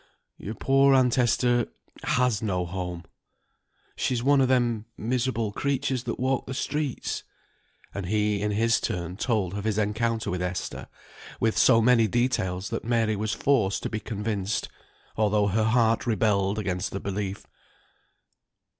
"Your poor aunt Esther has no home: she's one of them miserable creatures that walk the streets." And he in his turn told of his encounter with Esther, with so many details that Mary was forced to be convinced, although her heart rebelled against the belief.